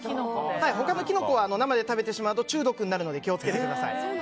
他のキノコは生で食べてしまうと中毒になるので気を付けてください。